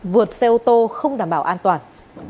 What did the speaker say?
vượt xe ô tô không đảm bảo an toàn